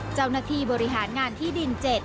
เจ้าหน้าที่บริหารงานที่ดิน๗